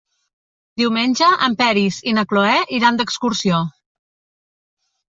Diumenge en Peris i na Cloè iran d'excursió.